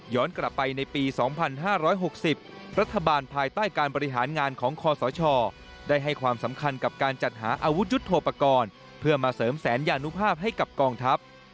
กลับไปในปี๒๕๖๐รัฐบาลภายใต้การบริหารงานของคอสชได้ให้ความสำคัญกับการจัดหาอาวุธยุทธโปรกรณ์เพื่อมาเสริมแสนยานุภาพให้กับกองทัพ